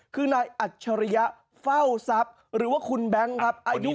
คือนายอัจฉริยะเฝ้าทรัพย์หรือว่าคุณแบงค์ครับอายุ